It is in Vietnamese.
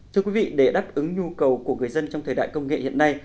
thưa quý vị để đáp ứng nhu cầu của người dân trong thời đại công nghệ hiện nay